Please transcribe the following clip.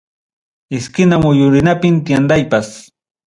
Esquina muyurinapim tiendaypas.